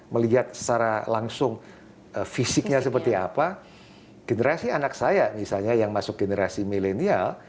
melihat secara langsung fisiknya seperti apa generasi anak saya misalnya yang masuk generasi milenial